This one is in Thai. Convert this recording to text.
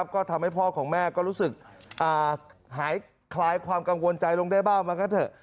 ก็ทำให้พ่อของแม่ก็รู้สึกหายคลายความกังวลใจลงได้บ้างมันก็เถอะ